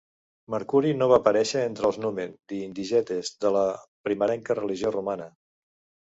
Mercuri no va aparèixer entre els numen "di indigetes" de la primerenca religió romana.